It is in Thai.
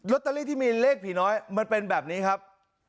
ตเตอรี่ที่มีเลขผีน้อยมันเป็นแบบนี้ครับ